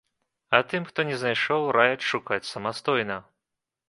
А тым, хто не знайшоў, раяць шукаць самастойна.